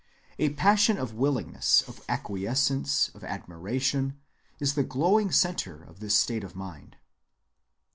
A passion of willingness, of acquiescence, of admiration, is the glowing centre of this state of mind.